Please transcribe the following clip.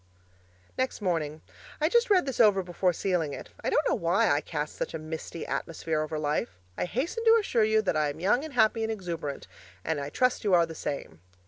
Next morning I just read this over before sealing it. I don't know WHY I cast such a misty atmosphere over life. I hasten to assure you that I am young and happy and exuberant; and I trust you are the same.